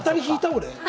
俺。